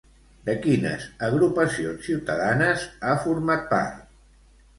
De quines agrupacions ciutadanes ha format part?